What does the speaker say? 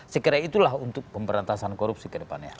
sekiranya itulah untuk pemberantasan korupsi ke depannya